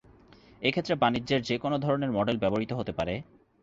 এই ক্ষেত্রে বাণিজ্যের যে কোন ধরনের মডেল ব্যবহৃত হতে পারে।